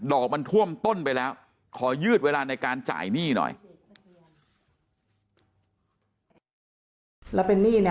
อกมันท่วมต้นไปแล้วขอยืดเวลาในการจ่ายหนี้หน่อย